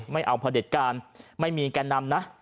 ไม่เอาพระเด็จการไม่มีแก่นำนะ